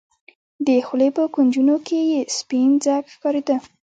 د خولې په کونجونو کښې يې سپين ځګ ښکارېده.